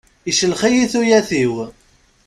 Iclex-iyi tuyat-iw.